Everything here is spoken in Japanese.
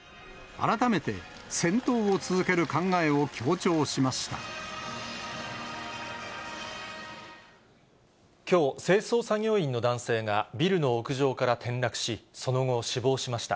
改めて、きょう、清掃作業員の男性がビルの屋上から転落し、その後、死亡しました。